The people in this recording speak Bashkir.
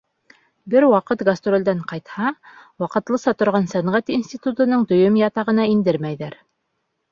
Бер ваҡыт гастролдән ҡайтһа, ваҡытлыса торған сәнғәт институтының дөйөм ятағына индермәйҙәр.